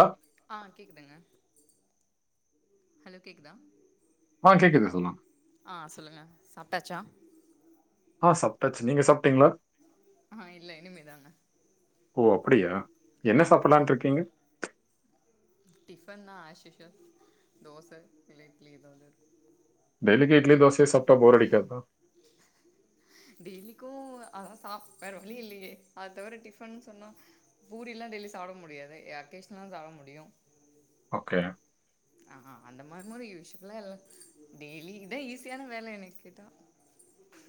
ஆ ஆ கேக்குதுங்க ஹலோ கேக்குதா ஆ கேக்குது சொல்லுங்க ஆ சொல்லுங்க சாப்ட்டாச்சா ஆ சப்ட்டாச்சு நீங்க சாப்பிட்டீங்களா ஆ இல்ல இனிமேதாங்க ஓ அப்பிடியா என்ன சாப்புலான்ட்ருக்கீங்க டிஃபன்தா ஆக்சிஸுவல் தோச இல்ல இட்லி எதாவதுருக் டெயிலிக்கி இட்லி தோசயே சாப்ட்டா போர் அடிக்காதா டெய்லிக்கு அதா சாப் அதா வேற வழி இல்லையே அததவிர டிஃபன் சொன்னா பூரியெல்லா டெய்லி சாப்புட முடியாதே அகேஷன்லதா சாப்பட முடியு ஓகே அ ஆ அந்த மார்முரி யூஸ்வல்லா எல்லா டெய்லிதா ஈஸியான வேல என்ன கேட்டா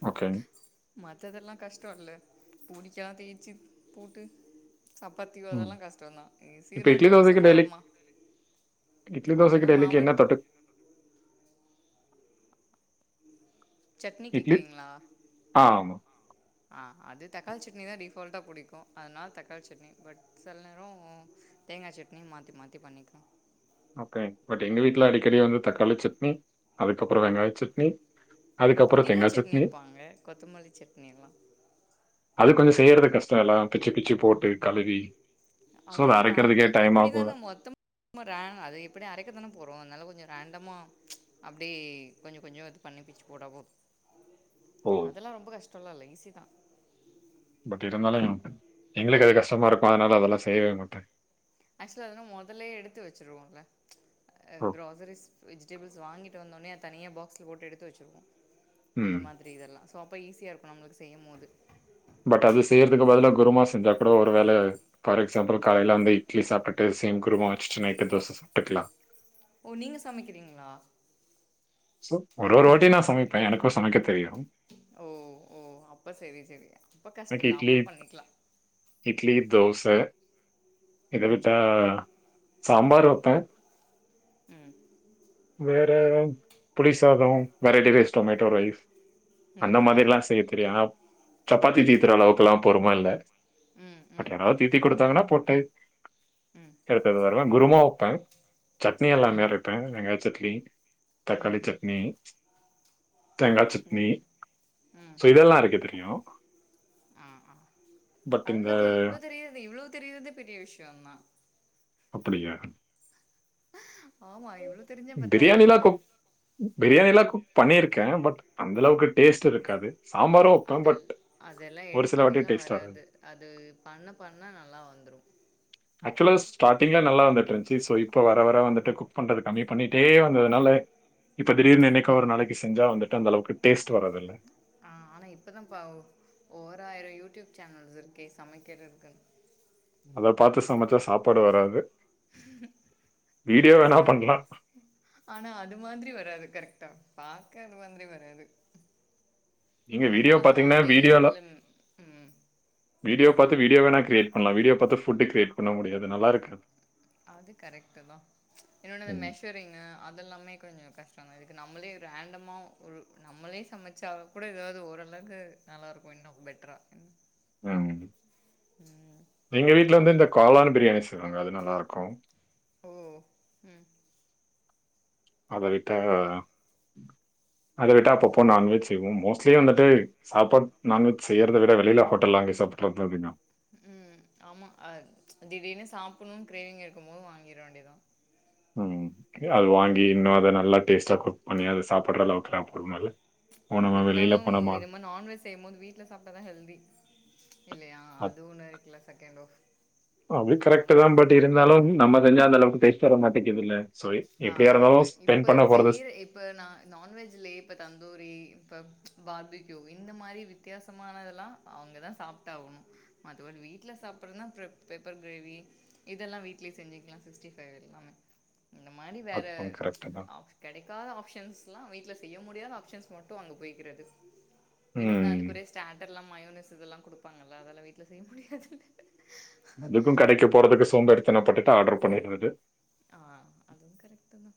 ஓகே மத்ததெல்லா கஷ்டோல்ல பூரிக்காத தேய்சு போட்டு சப்பாத்தி [unintelligible] ம். தெல்லா கஷ்டம்தா இப்ப ஈசில்லா இட்லி, தோசைக்கு தோச டெய்லி மாவ்மா இட்லி தோசைக்கி டெய்லிக்கி என்ன தொட்டுக் சட்னி இட்லி கேக்குறீங்களா ஆ ஆமா. ஆ அது தக்காளி சட்னி தா டிஃபால்ட்டாக புடிக்கு அதனால தக்காளி சட்னி பட் சில நேரோ தேங்காய் சட்னி மாத்தி மாத்தி பண்ணிக்குவோ ஓகே பட் எங்க வீட்ல அடிக்கடி வந்து தக்காளி சட்னி அதுக்கப்புறோ வெங்காய சட்னி அதுக்கப்புறம் புதினா தேங்காய் சட்னி வைப்பாங்க கொத்தமல்லி சட்னில்லா அது கொஞ்சோ செய்யறது கஷ்டோல்லா பிச்சு பிச்சு போட்டு கழுவி ஸோ அது அத என்ன நால் அரைக்கிறதுக்கே பே டைம் ஆகும். இப்பிடிதான மொத்தமா ம்மர அது எப்படி அரைக்கத்தான போறோ அதனால கொஞ்சோ ரேண்டமா அப்டே கொஞ்சே கொஞ்சோ இது பண்ணி பிச்சு போடவோ ஓ! அதெல்லா ரொம்ப கஷ்டோலால்ல ஈசிதா பட் இருந்தாலு எங்களுக்கு அது கஷ்டமாருக்கு அதனால அதெல்லா செய்யவே மாட்டே ஆக்சுவல அதலா மொதலயே எடுத்து வச்சருவோம்ல அ ஓ! கிரோசரிஸ் வெஜிடபிள்ஸ் வாங்கி ட்டு வந்தோனயே அத தனியா பாக்ஸ்ல போட்டு எடுத்து வச்சிருவோ ம். அந்த மாத் திரி இதெல்லா சோ அப்ப ஈஸியா இருக்கு நம்மளுக்கு செய்யும் போது பட் அது செய்யறதுக்கு பதிலா குருமா செஞ்சா கூட ஒரு வேல ஃபார் எக்ஸாம்பிள் காலையில அந்த இட் இட்லி சாப்டுட்டு சேம் குருமா வச்சுட்டு நைட்டு தோச சாப்டுக்கலா ஓ நீங்க சமைக்கிறீங்களா ஒரு ஒரு வாட்டி நா சமைப்பே எனக்கு சமைக்க தெரியு ஓ ஓ அப்ப செரி செரி அப்ப எனக்கு கஷ்டோ தா இட்லி அப்ப பண்ணிக்கலா இட்லி தோச இத ம் விட்டா சம்பார் வப்ப ம் வேற புளி சாதோ வெரைட்டி ரைஸ் டொமேட்டோ ரைஸ் ம் அந்த ம் மாதிரியெல்லா செய்ய தெரியு சப்பாத்தி தீத்துற அளவுக்கெல்லா பொருமல்ல ம் பட் ம் யாராவது தீத்தி குடுத்தாங்கன்னா போட்டு ம் எடுத்ததுருலா குருமா வைப்பே சட்னி எல்லாமே ம் அரைப்பே வெங்காயே சட்னி ம் தக்காளி சட்னி தேங்காய் ஓ சட்னி சோ இதெல்லா அரைக்க தெரியு ம் ம் ஆ இந்த அதெல்லா தெரியு இவ்ளோ தெரியிரறதே இவ்ளோவு தெரியிறதே பெரிய விஷ்யோ தா அப்பிடியா ஆமா இவ்ளோ தெரிஞ்சா பத்தாதா என்ன பிரியாணில்லா குக் பண்ணியிருக்கே பட் அந்தளவுக்கு டேஸ்ட்ருக்காது சாம்பாரு வெப்பே அதல் பட் அதெல்லா ஒரு எடுத்த சில வாட்டி ஒடனேலா டேஸ்ட் வராது அது பண்ண பண்ண நல்லா வந்துரு ஆக்சுவலா ஸ்டார்டிங்லா நல்லா வந்துட்டு இருந்துச்சு ஸோ இப்போ வர வர வந்துட்டு பண்றது கம்மி பண்ணிட்டே வந்ததுனால இப்ப திடீர்னு என்னைக்கோ ஒரு ஆ நாளைக்கு செஞ்சா வந்துட்டு அந்தளவுக்கு டேஸ்ட் வராதுல்ல ஆ ஆனா இப்பதா பாவ் ஓராயிரம் யூடியூப் சேனல்ஸ் இருக்கே சமைக்கிறதுக்குனு அத பார்த்து சமைச்சா சாப்பாடு வராது வீடியோ இப்ப வேணா சொல்லல பண்ணலாம் ஆனா அது மாதிரி வராது கரெக்டா பாக்க அது மாதிரி வராது நீங்கள் என்னனா வீடியோ நம்ம பார்த்தீங்கன்னா அதே வீடியோவில் இதுல ம் வீடியோ பாத்து வீடியோ வேணா கிரியேட் பண்ணலா வீடியோ பாத்து ஃபுட் கிரியேட் பண்ண முடியாது நல்லா இருக்காது அது கரெக்ட்டு தா என்னொடது ம் மெஷ் டரிங்கு அதெல்லாமே கொஞ்சோ கஷ்டந்தா இதுக்கு நம்மளே ரேண்டமா ஒரு நம்மளே சமைச்சா கூட எதாது ஓரளவுக்கு நல்லாயிருக்கு இன்னு பெட்டரா ம் ம் எங்க வீட்டுல வந்து இந்த காளான் பிரியாணி செய்வாங்க அது நல்லாருக்கு ஓ ம் அத விட்டா பரவாயில்லையே அத விட்டா அப்பப்போ நான் வெஜ் செய்வோ மோஸ்ட் லி வந்துட்டு சாப்பாடு நான் வெஜ் செய்யறத விட வெளியில ஹோட்டல்ல வாங்கி சாப்பிட்றதுதா அதிகோ ம் ஆமா அது திடீர்னு சாப்பிடணும்னு கிரேவிங் இருக்கு போது வாங்கிட வேண்டிதா ம் அது வாங்கி இன்னு அத நல்லா டேஸ்ட்டா குக் பண்ணி அது சாப்பிடுற அளவுக்குலா பொரும இல்ல இருந்தாலு இத மாரி நான் வெஜ் செய்யு போது வீட்டுல சாப்பிட்டாதா ஹெல்தி இல்லையா அத் அது ஒன்னு இருக்குல செகண்ட் ஆஃப் அது கரெக்ட்டு தா நான்வெஜ் பட் இருந்தாலு நம்ம செஞ்சா அந்த அளவுக்கு டேஸ்ட் வர மாட்டேக்கிதுல்ல சோ எப்டியா இருந்தாலு ஸ்பெண்ட் பண்ண போறது இப்போ நா நான் வெஜ்லேயே இப்போ தந்தூரி இப்போ பார்பிகியு இந்த மாரி வித்தியாசமானதெல்லா அவுங்கதா சாப்பிட்டாகணு மத்தபடி வீட்ல சாப்பிட்றதுனா பெப் பெப்பர் கிரேவி இதெல்லா வீட்லயே செஞ்சுக்கலா சிக்ஸ்டி ஃபைவ் எல்லாமே இந்த மாரி வேற அதுவும் கரெக்ட் தான். ஆஃப் கிடைக்காத ஆப்ஷன்ஸ்லா வீட்டுல செய்ய முடியாத ஆப்ஷன்ஸ் மட்டு அங்க போய்கிறது இன்னொன்னு ம். அதுக்குறிய ஸ்டேட்டர்ல்லா மயோனிஸ் இதெல்லா குடுப்பாங்கல்ல அதெல்லா வீட்டுல செய்ய முடியாது அதுக்கு கடைக்கு போறதுக்கு சோம்பேறித்தனோ பட்டுட்டு ஆர்டர் பண்ணிடுறது ஆ அதுவு கரெக்ட்டு தா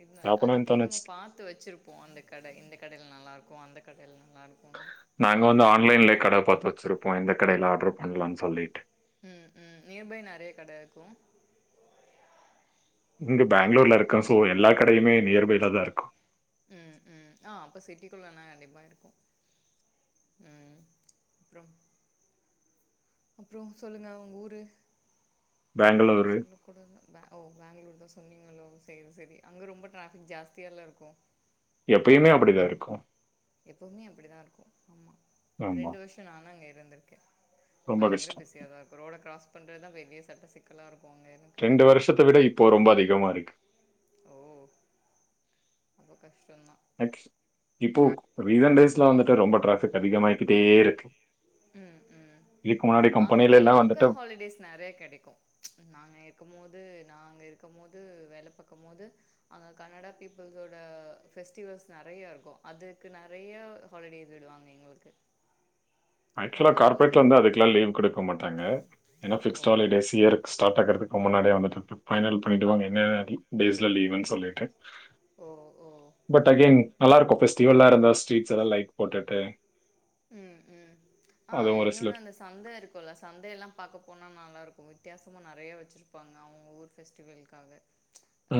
இருந்தாயு சாப்பிடணும்னு அதுக்கு என்னமோ தோணுச்சு. பாத் த்து வச்சிருப்போ அந்த கடை இந்த கடையில நல்லா இருக்கு அந்த கடையில நல்லா இருக்குனு நாங்க வந்து ஆன்லைன்ல கடை பாத்து வச்சிருப்போம் எந்த கடையில ஆர்டர் பண்ணலானு சொல்லிட்டு ம் ம் நியர் பை நறையா கடை இருக்கு இங்க பெங்களூர்ல இருக்க சோ எல்லா கடையுமே நியர் பைல தா இருக்கு ம் ம் ஆ அப்ப சிட்டிக்குள்ளனா கண்டிப்பா இருக்கு ம் அப்புறோ அப்புறோ சொல்லுங்க உங்க ஊரு ஓ ஊரு பெங்களூரு சொல்ல கூட ஓ பேங்களூர் தா சொன்னீங்களோ சேரி சேரி அங்க ரொம்ப ட்ராஃபிக் ஜாஸ்தியால இருக்கு [inaudible] எப்பயுமே அப்டிதா இருக்கு எப்பவுமே அப்டித்தா இருக்கு ஆமா ஆமா. ரெண்டு வருஷோ நானு அங்க இருந்திருக்கே ரொம்ப பயங்கர கஷ்டம். பிஸியா தா இருக்கு ரோட கிராஸ் பண்றதுதா பெரிய சட்ட சிக்கலா இருக்கு அங்க எனக்கு ரெண்டு வருஷத்தை விட இப்போ ரொம்ப அதிகமா இருக்கு ஓ அப்ப கஷ்டந்தா நக்கி இப்போ ரீசன்ட் டேஸ்ல வந்துட்டு ரொம்ப டிராபிக் அதிகமாயிக்கிட்டே இருக்கு ம் ம் இதுக்கு முன்னாடி அங்க கம்பெனில எல்லாம் வந்துட்டு லோக்கல் ஹாலிடேஸ் நெறைய கிடைக்கு நாங்க இருக்கு போது நா அங்க இருக்கும் போது வேல பார்க்கும் போது அங்க கனடா பீப்புள்ஸோட பெஃஸ்டிவல்ஸ் நெறைய இருக்கு அதுக்கு நெறைய ஹாலிடேஸ் விடுவாங்க எங்குளுக்கு ஆக்சுவலா கார்பரேட் வந்து அதுக்குலா லீவ் குடுக்க மாட்டாங்க ஏன்னா ஓ பிக்ஸ்ட்டு ஹாலிடேஸ் இயரு ஸ்சாட் ஆக்கறதுக்கு முன்னாடியே வந்துட்டு இருப்ப பைனல் பண்ணிட்டு வாங்க என்ன டேஸ்ல லீவுன் சொல்லிட்டு ஓ ஓ பட் அகெயன் நல்லா இருக்கும் ஃபெஸ்டீவலா இருந்தா ஸ்சீட்லலா லைட் போட்டுட்டு உம் உம் ஆ அதுவும் ஒரு என்னோட சில அந்த சந்த இருக்கும்ல்ல சந்தையெல்லாம் பாக்க போனால் நல்லாக்கும் வித்தியாசும் நிறையா வெச்சுருப்பாங்க அவங்க ஊர் ஃபெஸ்டிவலக் காக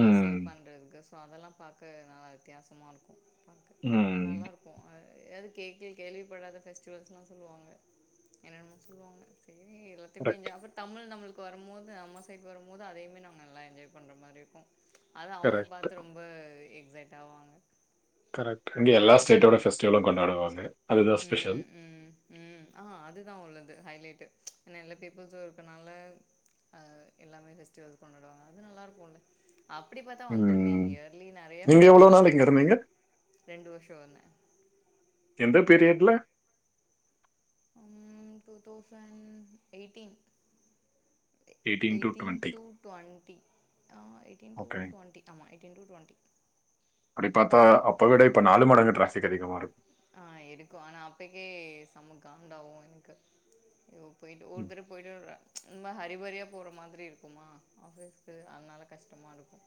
ம் சீல் பண்றதுக்கு சோ அதெல்லாம் பாக்க நல்லா வித்தியாசமா இருக்கு பாக்க ம் நல்லாயிருக்கு எதாவது கேக்க கேள்விப்படாத ஃபெஸ்டிவல்ஸ்லா சொல்லுவாங்க என்னென்னமோ சொல்லுவாங்க சரி எல்லாத்தையுமே கரெக்ட் ஞாப தமிழ் நம்மளுக்கு வரும்போது அம்மா சைட்க்கு வரும்போது அதையமே நாங்க நல்லா என்ஜாய் பண்ற மாதிரி இருக்கு அதா அவங்க கரெக்ட் பாத்து ரொம்ப எக்ஸைட் ஆவாங்க கரெக்ட் இங்க எல்ல ஸ்டேட்டோடஃபஸ்டிவலும் கொண்டாடுவாங்க அதுதான் ஸ்பெஷல் உம் உம் ம் ஆ அதுதா உள்ளது ஹைலேட்டு ஏன்னா எல்லா பீப்புள்சு இருக்கனால அஹ எல்லாமே ஃபெஸ்டிவல்ஸ் கொண்டாடுவாங்க அது நல்லா இருக்குல அப்டி பாத்தா வந்துருமே ம் இயர்லி நெறைய நீங்க எவ்வளவு பெஸ்டிவல்ஸ் நாள் இங்க வந்துரு இருந்தீங்க ரெண்டு வருஷோ வந்த எந்த பீரியட்ல உம் two thousand eighteen to eighteen twenty two twenty ஆ எயிட்டீன் டூ ஓகே டுவண்டி ஆமா எயிட்டீன் டூ டுவண்டி அப்டி பாத்தா அப்ப விட இப்ப நாலு மடங்கு டிராபிக் அதிகமாருக் ஆ எதுக்கு ஆனா அப்பக்கே சம்ம காண்டாவு எனக்கு ஓ போயிட்டு ஒருதர [unintelligible] ரொம்ப ஹரிபரியா போற மாதிரி இருக்குமா ஆஃபீஸ்க்கு அதனால கஷ்டமா இருக்கு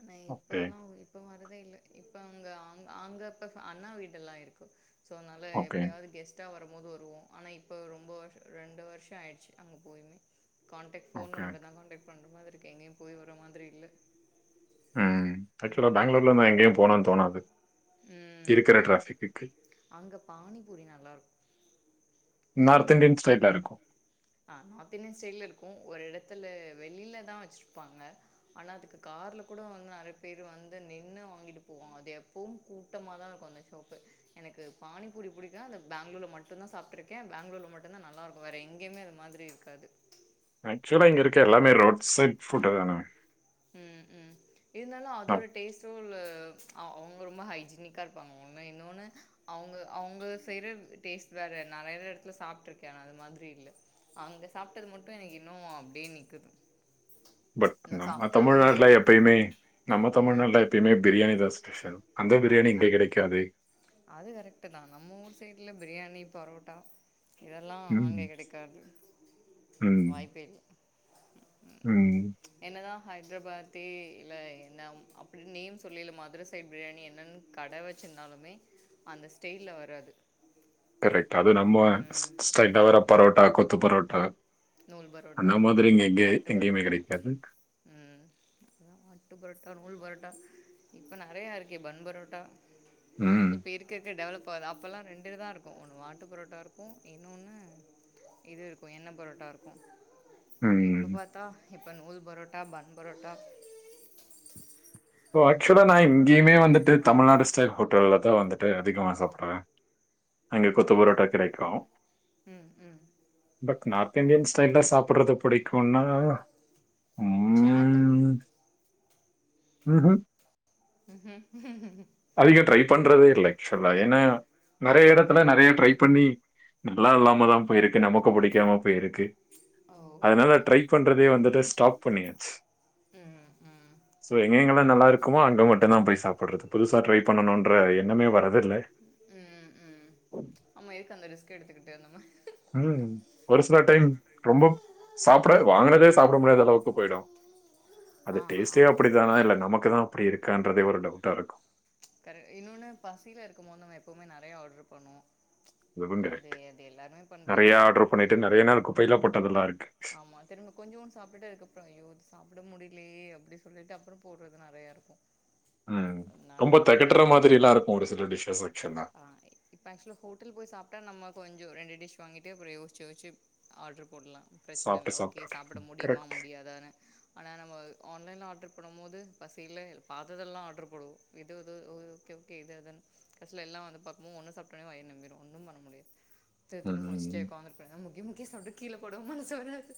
ஆனா ஓகே இப்பல்லா இப்ப வரதே இல்ல இப்ப அவங்க அங்க பிக்காஸ் அண்ணா வீடெல்லா இருக்கு சோ அதனால ஓகே எப்பவாது கெஸ்ட் டா வரும்போது வருவோ ஆனா இப்ப ரொம்ப வருஷோ ரெண்டு வருஷ ஆயிடுச்சு அங்க போயுமே காான்டெக்ட் ஃபோன்ல ஓகே மட்டுதா கான்டெக்ட் பண்ற மாதிரி இருக்கு எங்கயு போய் வர மாதிரி இல்ல ம் ஆக்சுவலா ம் பெங்களூர்லந்தா எங்கயு போனான் தோணாது ம் இருக்கிற ம் ட்ராஃபிக்குக்கு அங்க பானிபூரி நல்லா ஒரு நார்த் கடையில இந்தியன் ஸ்டைலில் இருக்கும் ஆ நார்த் இன்டியன் ஸ்டைல்ல இருக்கு ஒரு எடத்துல வெளியிலதா வெச்சிருப்பாங்க ஆனா அதுக்கு கார்ல கூட வந்து நெறைய பேரு வந்து நின்னு வாங்கிட்டு போவாங்க அது எப்பவு கூட்டமாக தா இருக்கு [unintelligible] ஓகே எனக்கு பானிபூரி புடிக்கு அந்த பெங்களூர்ல மட்டு தா சாப்டுட் கே பெங்களூர்ல மட்டும்தா நல்லா இருக்கு வேற எங்கயுமே அது மாதிரி இருக்காது ஆக்சுவலா இங்க இருக்க எல்லாமே ரோட் சைட் ஃபுட்ட தானே உம் உம் இருந்தாலு நம் அதோட டேஸ்ட்டு உள்ள அவங்க ரொம்ப ஹைஜீனிக்கா இருப்பாங்க ஒன்னு இன்னொன்னு அவங்க அவங்க செய்ற டேஸ்ட் வேற நெறைய எடத்துல சாப்ட்டு இருக்கே அது மாதிரி இல்ல அங்க சாப்ட்டது மட்டு எனக்கு இன்னு அப்டியே நிக்குது இன்னு சாப் தமிழ்நாட்ல எப்பயுமே நம்ம ம் தமிழ்நாட்ல எப்பயமே பிரியாணிதா ஸ்பெஷல் அந்த ஆ பிரியாணி நா இங்க கெடை க்காது அது கரெக்ட்டுதா நம்ம ஊர் சைட்ல பிரியாணி பரோட்டா இதெல்லா ம். ஆங்கே கெடைக்காது ம். வாய்ப்பே இல்ல ம். அதுக்கு என்னதா ஹைத்ராபாத்தி இல்ல என்ன அப்புடின் நேம் சொல்லயில மதுர சைட் பிரியாணி என்னன்னு கடை வெச்சுந்தாலுமே அந்த ஸ்டெய்ல வராது கரக்ட் அது நம்ம ஸ் ம் ஸ்டைல்ல வர பரோட்டா கொத்து பரோட்டா நூல் பரோட்டா அந்த மாதிரி இங்க எங்க ஆட்டு எங்கேயுமே பரோட்டா கெடைக்காது ம் இப்பலா அட்டு பரோட்டா நூல் பரோட்டா இப்போ நெறைய இருக்கே பன் பரோட்டா ம் இப்போ இருக்க இருக்க டெவலப் ஆகுது அப்பெல்லா ரெண்டு தா இருக்கு ஒன்னு வாட்டு பரோட்டா இருக்கு இன்னோனு இது இருக்கு எண்ண பரோட்டா இருக்கு இப்ப ம். பாத்தா இப்ப நூல் பரோட்டா பன் பரோட்டா இப்போ ஆக்சுவலா நா இங்கேயுமே வந்துட்டு தமிழ்நாடு ஸடைல் ஹோட்டல்லதா வந்துட்டு அதிகமா சாப்பிட்றே அங்கே ம் கொத்து பரோட்டா கிடைக்கு ம் ம் பட் நார்த் இன்டியன் ஸ்டைல் சாப்பிட்றது புடிக்குன்னா சாட்டு ம் ம் ம் ம் அதிகோ ட்ரை பண்றதே இல்ல ஆக்ச்வலா ஏனா நெறைய எடத்துல நெறைய ட்ரை பண்ணி நல்லா இல்லாமதா போயிருக்கு நமக்கு புடிக்காம போயிருக்கு ஓ ஓ அதனால ட்ரை பண்றதே வந்துட்டு ஸ்டாப் பண்ணியாச்சு ம் ம் ஸோ எங்கெங்கலா நல்லா இருக்குமோ அங்க மட்டுமந்தா போய் சாப்பட்றது புதுசா ட்ரை பண்ணணூன்ற எண்ணமே வரது இல்ல ம் ம் ஆமா எதுக் அந்த ரிஸ்க் எடுத்துக்கிட்டு அந்தமா ம் ஒருசில டைம் ரொம்போ சாப்பிட வாங்குனதே சாப்பிட முடியாத அளவுக்கு போயிடு ஆ அது டேஸ்ட்டே ஆமா அப்படி தானா இல்ல நமக்குதா அப்படி இருக்கான்றதே ஒரு டவுட்டா இருக்கு கரெ இன்னொனு பசியில இருக்கும் மோ நம்ம எப்பவுமே நெறையா ஆட்ரு பண்ணுவோ அதுவும் அது கரெக்ட். அது எல்லாருமே நெறைய பண்றதுதா ஆர்டர் பண்ணிட்டு நெறைய நாள் குப்பைல்ல போட்டதெல்லா இருக்கு ஆமா திரும்ப கொஞ்சூன் சாப்டுட்டு அதுக்கப்பறோ ஐயோ இது சாப்பிட முடிலயே அப்டி சொல்லிட்டு அப்புறோ போட்றது நெறைய இருக்கு ம் அதனால ரொம்ப நாங்க தெகட்டுற மாதிரி எல்லா இருக்கு ஒரு சில டிஷ்சஸ் ஆக்ச்வலா ஆ இப்போ ஆக்ச்வல ஹோட்டல் போய் சாப்ட்டா நம்ம கொஞ்சு ரெண்டு டிஷ் வாங்கிட்டு அப்ற யோஸ்ச்சு யோஸ்ச்சு ஆட்ரு போட்லா ப்ரெச்ன சாப்பிட்டு இல்ல ஓகே சாப்பிட்டு. சாப்பட முடியுமா கரெக்ட். முடியாதானு ஆனா நம்ம ஆன்லைன்ல ஆட்ரு பண்ணுமோது பசியில பாத்ததெல்லா ஆட்ரு போடுவோ இது எதோ ஓ ஓகே ஓகே இது அதுன்னு கட்சில எல்லா வந்து பாக்குமோ ஒன்னு சாப்ட்டோனே வயிறு நெம்பிரு ஒன்னும் பண்ண முடியாத் தெ திரும் [unintelligible] ம். சேர் உக்காந்துட்டு முக்கி முக்கி சாப்ட்டு கீழ போடவு மனசு வராது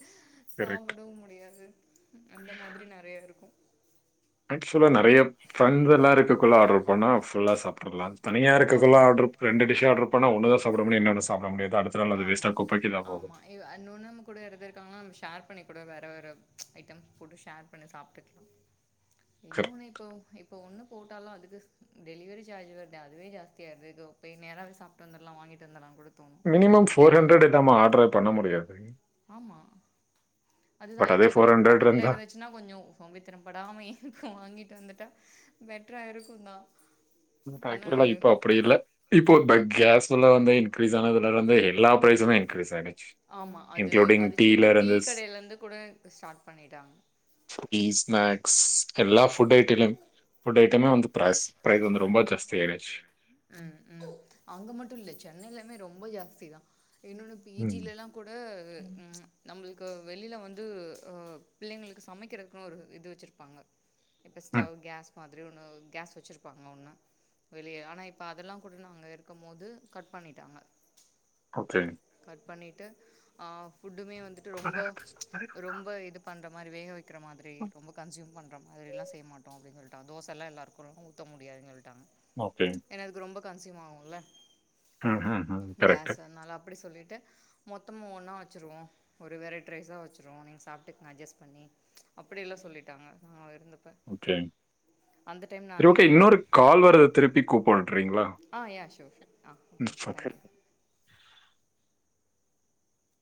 கரெக்ட். சாப்பிடவு முடியாது அந்த மாதிரி நெறைய இருக்கு ஆக்சுவலா நெறைய ஃப்ரெண்ஸெல்லா இருக்கக்குள்ள ஆட்ரு பண்ணா ஃபுல்லா சாப்ட்றலா தனியா ஆ இருக்கக்குள்ள ஆட்ரு ரெண்டு டிஷ் ஆட்ரு பண்ணா ஒன்னுதா சாப்பிட முடியு இன்னொன்னு சாப்பிட முடியாது அடுத்த நாள் அது ஆமா. வேஸ்டா குப்பைக்குதா போகும் ஆமா. இ அன் இன்னொன் நம் கூட யாராது இருதுக்காங்கனா நம்ம ஷேர் பண்ணி கூட வேற வேற ஐட்டம் ஃபுட்டு ஷேர் பண்ணி சாப்ட்டுக்லா கரெக்ட். இன்னொன்னு இப்போ இப்போ ஒன்னு போட்டாலு அதுக்கு டெலிவரி ஜார்ஜ் வ அதுவே ஜாஸ்த்தியா இருது இதோ போய் நேரா சாப்ட்டு வந்துரலா வாங்கிட்டு வந்துரலா கூட தோணு மினிமம் ஃபோர் ஹண்ட்ரட் இல்லாம ஆர்டரே பண்ண முடியாது ஆமா அதுதா பட் அதே இக்கு நம்ம பக்கத்துல இருந்தா இருந்துச்சு ன்னா கொஞ்சோ சோம்பேறிதனம் படாம இருக்கு வாங்கிட்டு வந்துட்டா பெட்ரா இருக்குந்தா ஆக்சுவலா இப்ப அப்டி இல்ல இப்போ கேஸ்ல வந்து இன்கிரீஸ் ஆனதுல இருந்து எல்லா ப்ரைசுமே இன்கிரீஸ் ஆகிடுச்சி ஆமா அது அது சின்ன டீ கடைல இருந்து கூட ஸ்டார்ட் பண்ணிட்டாங்க டீ ஸ்நாக்ஸ் எல்லா ஃபுட் ஐட்டிலும் ஃபுட் ஐட்டமே வந்து பிராஸ் ப்ரைஸ் வந்து ரொம்ப ஜாஸ்தி ஆயிடுச்சு. [unintelligible] ம் ம் அங்க மட்டு இல்ல சென்னையிலமே ரொம்ப ஜாஸ்தி தா இன்னொன்னு பி ம். ஜிலல்லா கூட நம்மளுக்கு வெளில வந்து அ பிள்ளைங்களுக்கு சமைக்கிறது அப்றோ ஒரு இது வச்சிருப்பாங்க இப்ப ம். ஸ்டவ் கேஸ் மாதிரி ஒன்னு கேஸ் வச்சிரு ப்பாங்க ஒண்ணு வெளிய ஆனா இப்ப அதெல்லா கூட நா அங்க இருக்கும் போது கட் பண்ணிட்டாங்க ஓகே கட் பண்ணிட்டு அ ஃபுட்டுமே வந்துட்டு ரொம்ப ரொம்ப இது பண்ற மாரி வேக வைக் க்கிற மாதிரி ரொம்ப கன்சூம் பண்ற மாதிரில்லா செய்யமாட்டோ அப்டின்னு சொ தோசல்லா எல்லாருக்கு ஊத்த முடியாதுன்னு சொல்ட்டாங்க ஓகே ஏனா அதுக்கு ரொம்ப கன்ஸ்யூம் ஆகும்ல ம். ம். ம். கரெக்ட். கேஸ் அதனால அப்டி சொல்லிட்டு மொத்தமு ஒன்னா வச்சுருவோ ஒரு வெரைட் ரைஸ்ஸா வச்சுருவோ நீங்க சாப்ட்டுக்கங்க அட்ஜஸ்ட் பண்ணி அப்டியெல்லா சொல்லிட்டாங்க நா இருந்த ஓகே சரி அங்க ஓகே இருந்தே இன்னொரு கால் வருது திருப்பி கூப்புட்றீங்களா ஆ யா ஷோர் ஷோர் ஆ ஓகே தேங்க் யூ